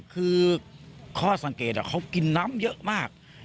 คือข้อสังเกตเขากินน้ำเยอะมาก